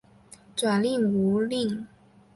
转任吴令。